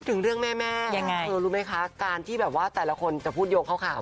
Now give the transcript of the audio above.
ถึงเรื่องแม่แม่ยังไงเธอรู้ไหมคะการที่แบบว่าแต่ละคนจะพูดโยงคร่าว